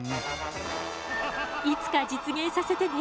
いつか実現させてね。